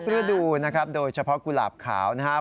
ฤดูนะครับโดยเฉพาะกุหลาบขาวนะครับ